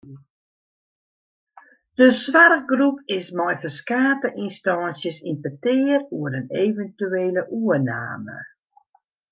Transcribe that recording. De soarchgroep is mei ferskate ynstânsjes yn petear oer in eventuele oername.